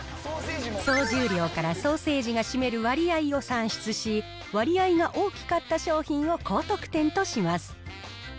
総重量からソーセージが占める割合を算出し、割合が大きかった商品を高得点とします。